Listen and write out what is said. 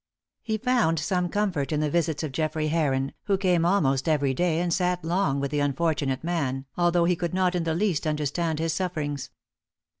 He found some comfort in the visits of Geoffrey Heron, who came almost every day and sat long with the unfortunate man, although he could not in the least understand his sufferings.